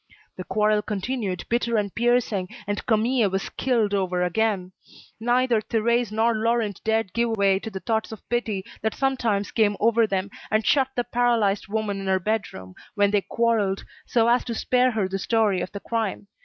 The quarrel continued, bitter and piercing, and Camille was killed over again. Neither Thérèse nor Laurent dared give way to the thoughts of pity that sometimes came over them, and shut the paralysed woman in her bedroom, when they quarrelled, so as to spare her the story of the crime.